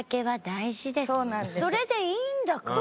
それでいいんだからね。